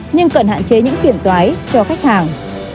nhưng cần hạn chế những phiền toái cho khách hàng